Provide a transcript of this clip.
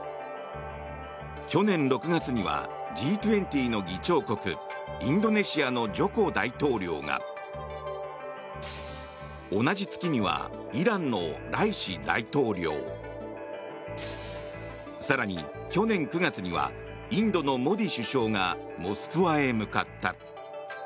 去年６月には、Ｇ２０の議長国インドネシアのジョコ大統領が同じ月にはイランのライシ大統領更に、去年９月にはインドのモディ首相がモスクワへ向かった。